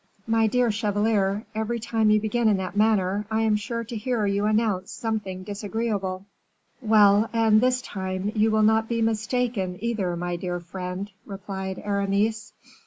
"My dear chevalier, every time you begin in that manner, I am sure to hear you announce something disagreeable." "Well, and this time you will not be mistaken, either, my dear friend," replied Aramis.